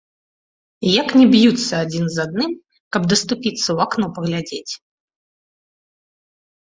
Як не б'юцца адзін з адным, каб даступіцца ў акно паглядзець.